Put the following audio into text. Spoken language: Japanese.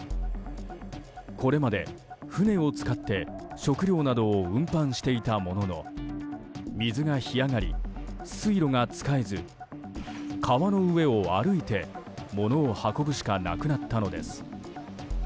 これまで船を使って食料などを運搬していたものの水が干上がり、水路が使えず川の上を歩いて物を運ぶしかなくなったのです。